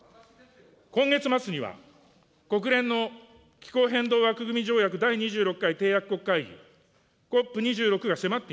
今月末には、国連の気候変動枠組条約第２６回締約国会議・ＣＯＰ２６が迫って